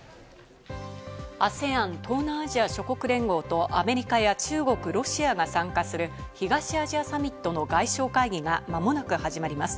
ＡＳＥＡＮ＝東南アジア諸国連合とアメリカや中国、ロシアが参加する東アジアサミットの外相会合がまもなく始まります。